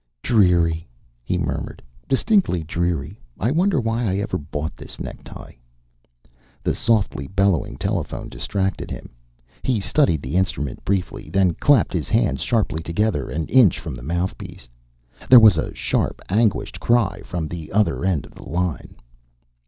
"Dreary," he murmured. "Distinctly dreary. I wonder why I ever bought this necktie?" The softly bellowing telephone distracted him. He studied the instrument briefly, then clapped his hands sharply together an inch from the mouthpiece. There was a sharp, anguished cry from the other end of the line.